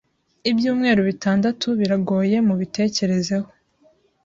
Ibyumweru bitandatu biragoye mubitekerezeho